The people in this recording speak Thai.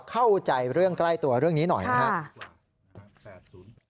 เข้าใจเรื่องใกล้ตัวเรื่องนี้หน่อยนะครับ